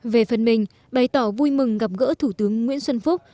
về phần mình bày tỏ vui mừng gặp gỡ thủ tướng nguyễn xuân phúc